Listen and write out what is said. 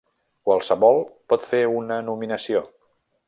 Qualsevol pot fer una nominació.